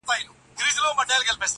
ځوان يوه غټه ساه ورکش کړه,